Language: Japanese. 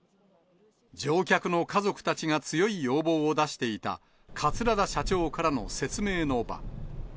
乗客の家族たちが強い要望を出していた、桂田社長からの説明の場。